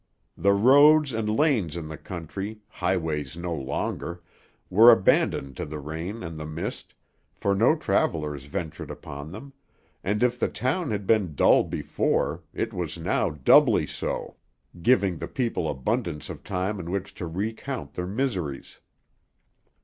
The roads and lanes in the country, highways no longer, were abandoned to the rain and the mist, for no travellers ventured upon them, and if the town had been dull before, it was now doubly so, giving the people abundance of time in which to recount their miseries.